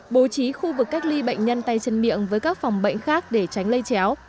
bố trí khu vực cách ly bệnh nhân tay chân miệng với các phòng bệnh khác để tránh lây chéo